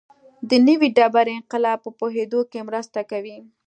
د نوې ډبرې انقلاب په پوهېدو کې مرسته کوي.